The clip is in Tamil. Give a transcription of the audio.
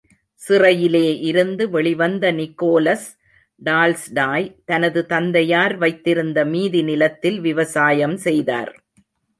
சிறையிலே இருந்து வெளிவந்த நிகோலஸ் டால்ஸ்டாய், தனது தந்தையார் வைத்திருந்த மீதி நிலத்தில் விவசாயம் செய்தார்.